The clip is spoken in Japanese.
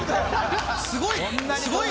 すごいね。